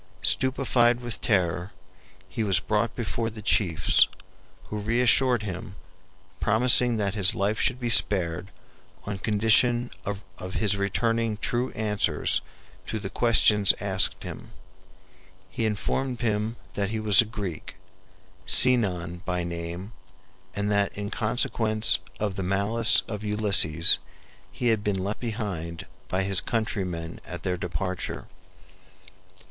Stupefied with terror, he was brought before the chiefs, who reassured him, promising that his life should be spared on condition of his returning true answers to the questions asked him. He informed them that he was a Greek, Sinon by name, and that in consequence of the malice of Ulysses he had been left behind by his countrymen at their departure.